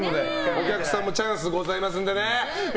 お客さんもチャンスございますからね。